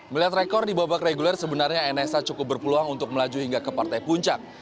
melihat rekor di babak reguler sebenarnya nsa cukup berpeluang untuk melaju hingga ke partai puncak